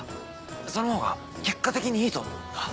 その方が結果的にいいと思うんだ。